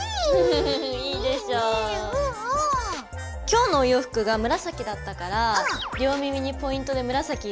今日のお洋服が紫だったから両耳にポイントで紫入れてみた。